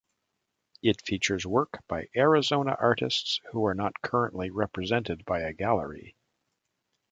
It features work by Arizona artists who are not currently represented by a gallery.